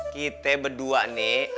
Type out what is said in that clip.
kita berdua nih